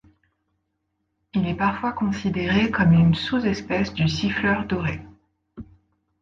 Il est parfois considéré comme une sous-espèce du Siffleur doré.